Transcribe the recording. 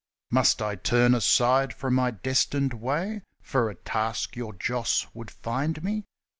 Must I turn aside from my destined way For a task your Joss would find me